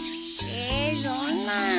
えそんな。